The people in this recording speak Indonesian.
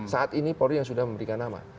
saat ini polri yang sudah memberikan nama